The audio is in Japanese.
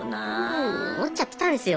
そう思っちゃってたんですよ。